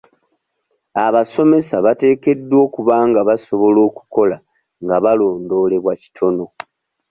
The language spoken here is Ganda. Abasomesa bateekeddwa okuba nga basobola okukola nga balondoolebwa kitono.